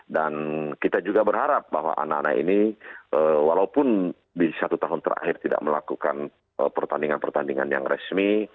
dan kita juga berharap bahwa anak anak ini walaupun di satu tahun terakhir tidak melakukan pertandingan pertandingan yang resmi